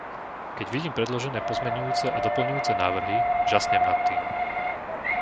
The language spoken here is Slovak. Keď vidím predložené pozmeňujúce a doplňujúce návrhy, žasnem nad tým.